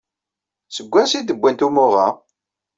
Seg wansi ay d-wwint umuɣ-a?